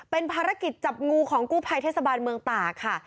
เป็นภารกิจจับงูของกู้ภัยเทศบาลเมืองตากค่ะ